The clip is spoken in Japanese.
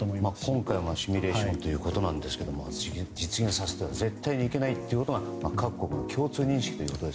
今回はシミュレーションということなんですが実現させたら絶対にいけないということが各国の共通認識だと。